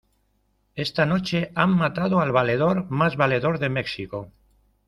¡ esta noche han matado al valedor más valedor de México!